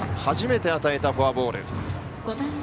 初めて与えたフォアボール。